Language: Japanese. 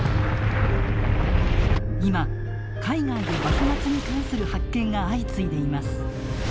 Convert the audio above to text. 今海外で幕末に関する発見が相次いでいます。